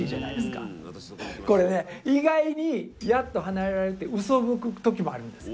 これね意外に「やっと離れられる」ってうそぶく時もあるんですよ。